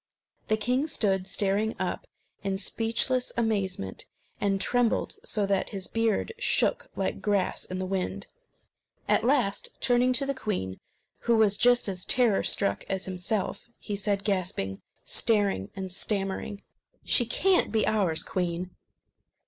The king stood staring up in speechless amazement, and trembled so that his beard shook like grass in the wind. At last, turning to the queen, who was just as horror struck as himself, he said, gasping, staring, and stammering: "She can't be ours, queen!"